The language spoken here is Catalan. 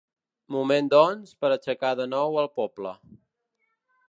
Moment doncs, per aixecar de nou el poble.